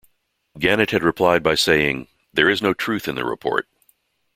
Gannett had replied by saying: There is no truth in the report.